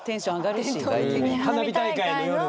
花火大会の夜に。